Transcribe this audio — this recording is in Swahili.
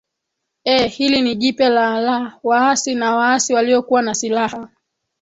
ee hili ni jipya la la waasi na waasi waliokuwa na silaha